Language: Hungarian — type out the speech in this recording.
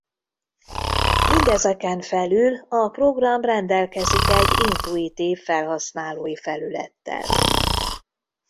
Mindezeken felül a program rendelkezik egy intuitív felhasználói felülettel.